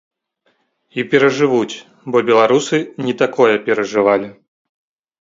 І перажывуць, бо беларусы не такое перажывалі.